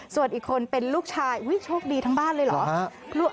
ส่วนอีกคนเป็นลูกชายโชคดีทั้งบ้านเลยเหรอ